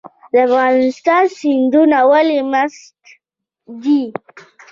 د افغانستان سیندونه ولې مست دي؟